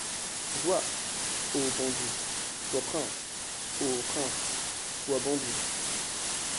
Joie ! ô bandit, sois prince ! ô prince, sois bandit.